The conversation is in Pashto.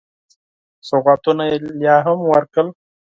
سوغاتونه یې لا هم ورکړل.